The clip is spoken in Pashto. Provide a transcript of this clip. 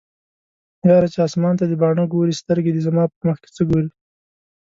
یاره چې اسمان ته دې باڼه ګوري سترګې دې زما په مخکې څه ګوري